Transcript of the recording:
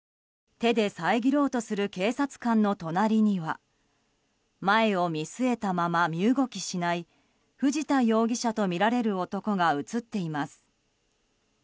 手で遮ろうとする警察官の隣には前を見据えたまま身動きしない藤田容疑者とみられる男が映っています。